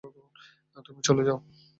তুমি চলে যাও!